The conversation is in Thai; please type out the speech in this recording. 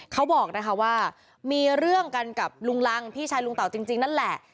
เขาบอกนะคะว่ามีเรื่องกันกับลุงรังพี่ชายลุงเต่าจริงนั่นแหละ